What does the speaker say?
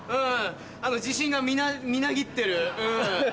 自信がみなぎってるうん。